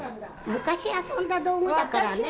昔遊んだ道具だからね。